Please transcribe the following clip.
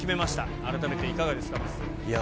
改めていかがですか、まっすー。